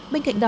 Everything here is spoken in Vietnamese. bên cạnh đó